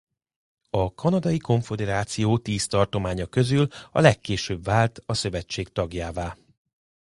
A Kanadai Konföderáció tíz tartománya közül a legkésőbb vált a szövetség tagjává.